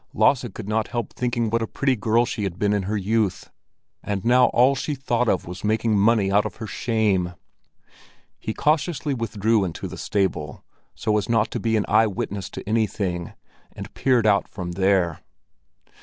Lasse could not help thinking what a pretty girl she had been in her youth. And now all she thought of was making money out of her shame! He cautiously withdrew into the stable, so as not to be an eye witness to anything, and peered out from there.